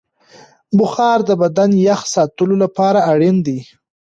بخار د بدن یخ ساتلو لپاره اړین دی.